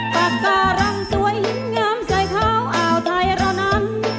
ปากการังสวยยิ้มงามใส่ขาวอ่าวไทยเรานั้น